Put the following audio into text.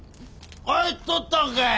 帰っとったんかい！